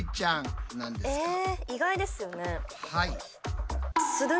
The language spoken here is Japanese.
はい。